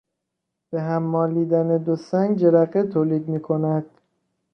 به هم مالیدن دو سنگ جرقه تولید میکند.